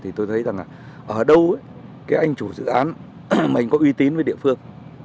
thì tôi thấy rằng là ở đâu anh chủ dự án có uy tín với địa phương